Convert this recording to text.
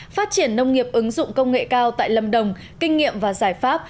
phát triển nông nghiệp ứng dụng công nghệ cao tại lâm đồng kinh nghiệm và giải pháp